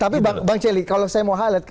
tapi bang celi kalau saya mau highlight